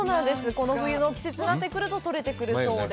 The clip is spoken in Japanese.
この冬の季節になってくると取れてくるそうで。